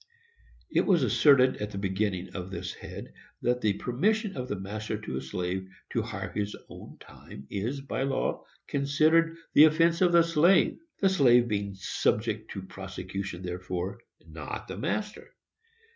It was asserted, at the beginning of this head, that the permission of the master to a slave to hire his own time is, by law, considered the offence of the slave; the slave being subject to prosecution therefor, not the master.